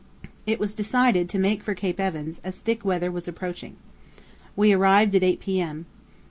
It was decided to make for Cape Evans, as thick weather was approaching. We arrived at 8 p.m.